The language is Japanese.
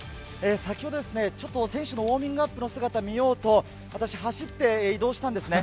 先ほどちょっと選手のウォーミングアップの姿、見ようと、私、走って移動したんですね。